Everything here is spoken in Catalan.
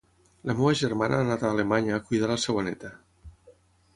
La meva germana ha anat a Alemanya a cuidar la seva neta